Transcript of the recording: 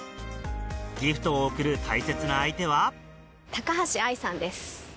ギフトを贈る大切な相手は高橋愛さんです。